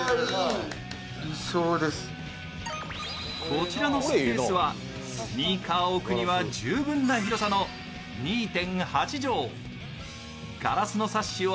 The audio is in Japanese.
こちらのスペースはスニーカーを置くには十分のスペース、２．８畳。